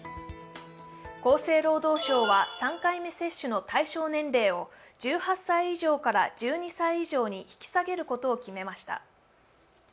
厚生労働省は３回目接種の対象年齢を１８歳以上から１２歳以上に引き下げることを決めました。